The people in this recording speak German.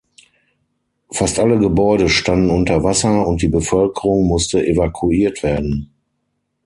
Fast alle Gebäude standen unter Wasser und die Bevölkerung musste evakuiert werden.